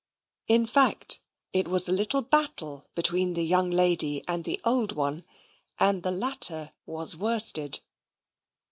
In fact, it was a little battle between the young lady and the old one, and the latter was worsted.